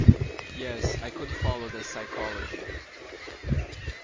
Yes, I could follow the psychology.